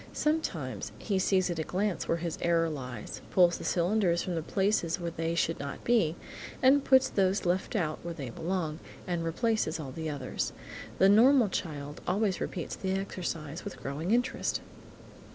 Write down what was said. Sometimes, he sees at a glance where his error lies, pulls the cylinders from the places where they should not be, and puts those left out where they belong, then replaces all the others. The normal child always repeats the exercise with growing interest.